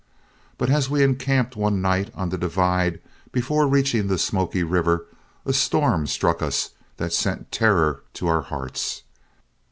But as we encamped one night on the divide before reaching the Smoky River, a storm struck us that sent terror to our hearts.